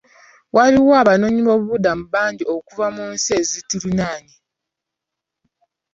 Waliwo Abanoonyiboobubudamu bangi okuva mu nsi ezituliraanye.